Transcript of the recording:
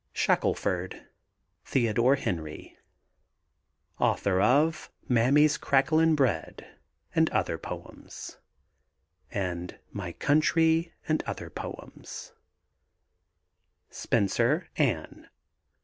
SHACKELFORD, THEODORE HENRY. Author of Mammy's Cracklin' Bread and Other Poems, and My Country and Other Poems. SPENCER, ANNE.